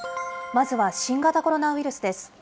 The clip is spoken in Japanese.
まずは、新型コロナウイルスです。